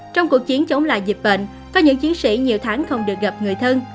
trong cuộc chiến chống lại dịch bệnh có những chiến sĩ nhiều tháng không được gặp người thân